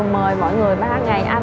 mời mọi người ba ngày ăn